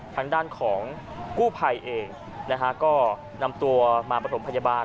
ทางด้านของกู้ภัยเองนะฮะก็นำตัวมาประถมพยาบาล